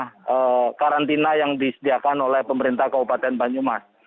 ini adalah karantina yang disediakan oleh pemerintah kabupaten banyumas